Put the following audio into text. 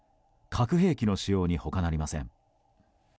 核兵器の使用に他なりません。